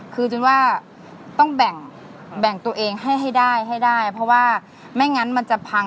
คือจนว่าต้องแบ่งตัวเองให้ได้เพราะว่าไม่อย่างนั้นมันจะพัง